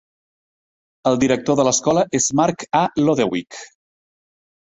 El director de l'escola és Mark A. Lodewyk.